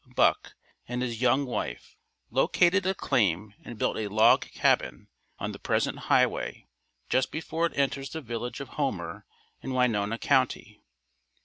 Buck and his young wife, located a claim and built a log cabin on the present highway just before it enters the village of Homer in Winona County.